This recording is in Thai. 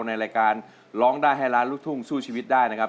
ในรายการร้องได้ให้ล้านลูกทุ่งสู้ชีวิตได้นะครับ